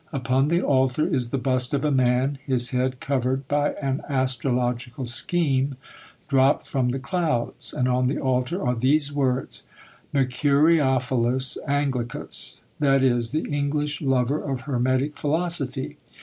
Upon the altar is the bust of a man, his head covered by an astrological scheme dropped from the clouds; and on the altar are these words, "Mercuriophilus Anglicus," i.e., the English lover of hermetic philosophy.